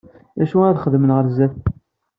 D acu ara ad xemmen ɣer zdat?